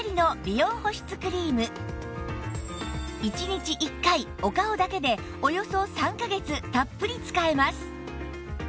１日１回お顔だけでおよそ３カ月たっぷり使えます